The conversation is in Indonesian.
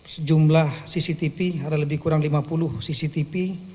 sejumlah cctv ada lebih kurang lima puluh cctv